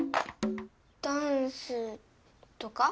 ダンスとか。